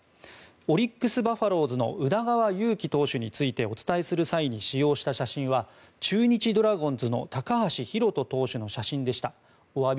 オリックスバファローズの宇田川投手についてお伝えする際に使用した写真は中日ドラゴンズの高橋投手の写真でした。